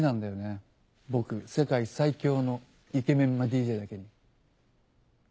僕世界最強のイケメンマＤＪだけに。